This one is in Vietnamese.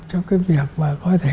trong cái việc mà có thể